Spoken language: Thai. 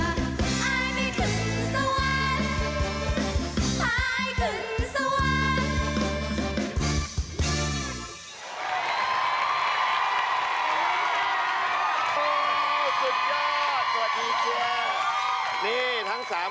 ถึงไม่เลิศไปสวยป่านางฟ้า